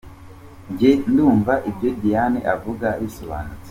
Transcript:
Jye ndumva ibyo Diane avuga bisobanutse.